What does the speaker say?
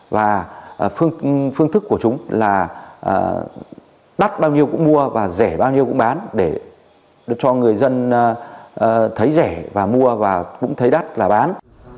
và phương thức của chúng là đắt bao nhiêu cũng mua và rẻ bao nhiêu cũng bán để cho người dân thấy rẻ và mua và cũng thấy đắt là bán